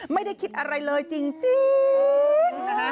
ไม่ได้คิดอะไรเลยจริงนะฮะ